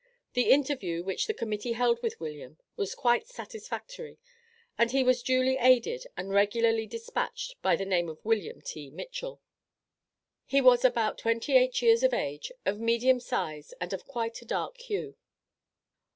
The interview which the Committee held with William was quite satisfactory, and he was duly aided and regularly despatched by the name of William T. Mitchell. He was about twenty eight years of age, of medium size, and of quite a dark hue.